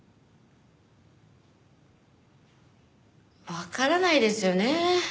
わからないですよね。